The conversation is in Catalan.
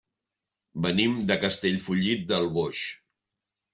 Venim de Castellfollit del Boix.